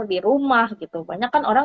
di rumah gitu banyak kan orang